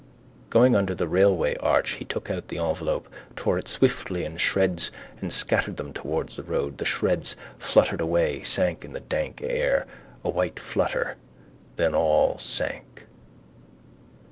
Going under the railway arch he took out the envelope, tore it swiftly in shreds and scattered them towards the road. The shreds fluttered away, sank in the dank air: a white flutter, then all sank.